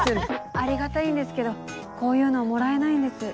ありがたいんですけどこういうのもらえないんです。